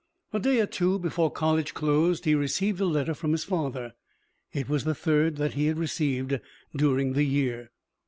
A day or two before college closed, he received a letter from his father. It was the third he had received during the year.